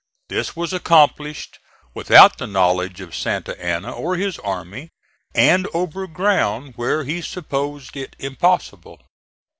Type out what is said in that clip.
This was accomplished without the knowledge of Santa Anna or his army, and over ground where he supposed it impossible.